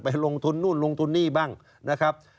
ลงทุนนู่นลงทุนนี่บ้างนะครับ